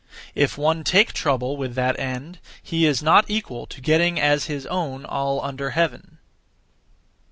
If one take trouble (with that end), he is not equal to getting as his own all under heaven.